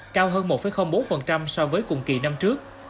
cao hơn một bốn so với cùng kỳ năm trước